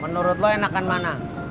bor menurut lo enakan mana